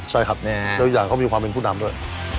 ใช่ครับแล้วอีกอย่างเขามีความเป็นผู้นำด้วย